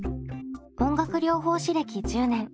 音楽療法士歴１０年。